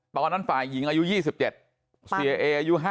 ตอนนั้นฝ่ายหญิงอายุ๒๗สีเอ๊อายุ๕๖